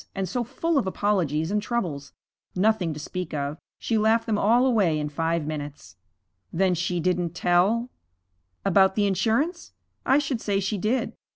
And so full of apologies and troubles! Nothing to speak of she laughed them all away in five minutes.' 'Then she didn't tell ' 'About the insurance? I should say she did.